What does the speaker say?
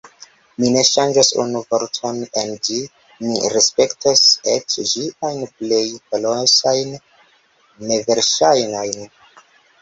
Mi ne ŝanĝos unu vorton en ĝi, mi respektos eĉ ĝiajn plej kolosajn neverŝajnojn.